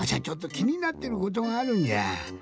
ちょっときになってることがあるんじゃ。